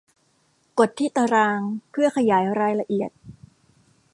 กดที่ตารางเพื่อขยายรายละเอียด